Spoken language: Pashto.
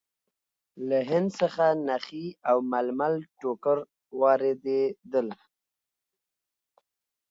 له هند څخه نخي او ململ ټوکر واردېدل.